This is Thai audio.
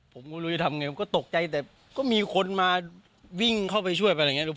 ผมไม่รู้จะทำไงมันก็ตกใจแต่ก็มีคนมาวิ่งเข้าไปช่วยไปอะไรอย่างนี้